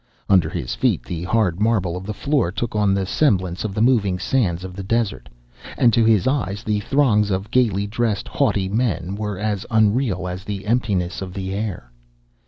Under his feet the hard marble of the floor took on the semblance of the moving sands of the desert, and to his eyes the throngs of gaily dressed, haughty men were as unreal as the emptiness of the air.